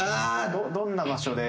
どんな場所で。